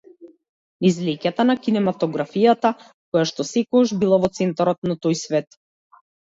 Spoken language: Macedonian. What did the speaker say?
Низ леќата на кинематографијата, којашто секогаш била во центарот на тој свет.